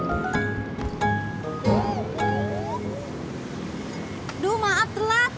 aduh maaf telat